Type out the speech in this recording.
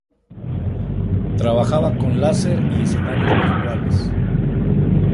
Trabajaba con láser y escenarios virtuales.